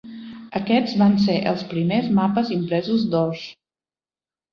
Aquests van ser els primers mapes impresos d'Oz.